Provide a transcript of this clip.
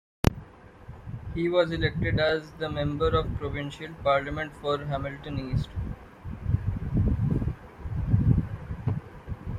He was elected as the Member of Provincial Parliament for Hamilton East.